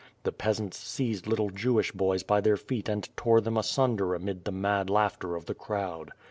The peasants seized little Je\\ash boys by their feet and tore them asunder amid the mad laughter of the crowd.